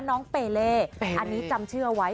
น้องเปเล่อันนี้จำชื่อเอาไว้